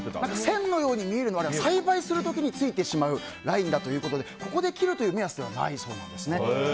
線のように見えるのは栽培する時についてしまうラインだということでここで切るという目安ではないんだそうですね。